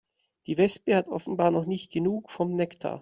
Die Wespe hat offenbar noch nicht genug vom Nektar.